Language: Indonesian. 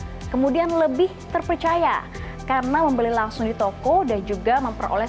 yang kemudian lebih terpercaya karena membeli langsung di toko dan juga memperoleh